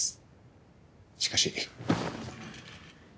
しかし。